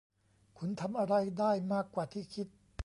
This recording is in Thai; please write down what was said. คุณทำอะไรได้มากกว่าที่คิด